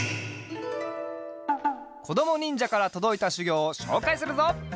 こどもにんじゃからとどいたしゅぎょうをしょうかいするぞ！